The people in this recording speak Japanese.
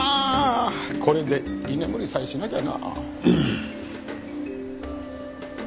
これで居眠りさえしなきゃな。